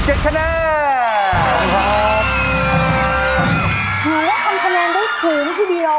ผมว่าการคะแนนได้สูงทีเดียว